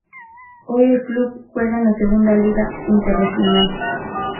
Hoy el club juega en la Segunda Liga Interregional.